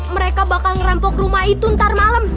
mereka bakal ngerampok rumah itu ntar malem